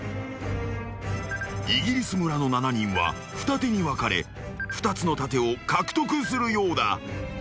［イギリス村の７人は二手に分かれ２つの盾を獲得するようだ］